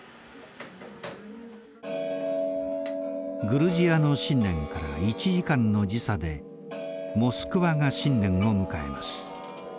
グルジアの新年から１時間の時差でモスクワが新年を迎えます。